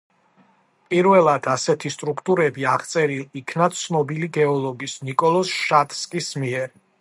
პირველად ასეთი სტრუქტურები აღწერილ იქნა ცნობილი გეოლოგის ნიკოლოზ შატსკის მიერ.